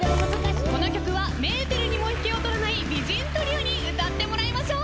この曲はメーテルにも引けを取らない美人トリオに歌ってもらいましょう。